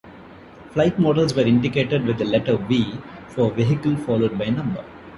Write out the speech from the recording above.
Flight models were indicated with the letter V for "Vehicle" followed by a number.